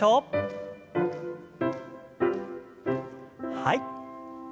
はい。